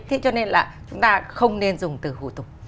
thế cho nên là chúng ta không nên dùng từ hủ tục